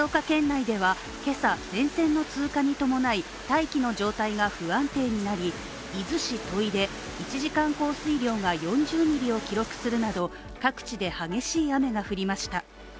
大気の状態が不安定になり伊豆市土肥で１時間降水量が４０ミリを記録するなど各地で激しい雨が降りました。